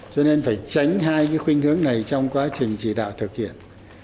cho nên phải tránh hai cái khuyênh hướng này trong quá trình chỉ đạo thực hiện